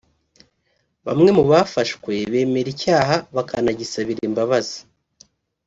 Bamwe mu bafashwe bemera icyaha bakanagisabira imbabazi